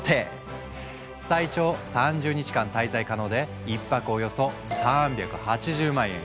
最長３０日間滞在可能で１泊およそ３８０万円。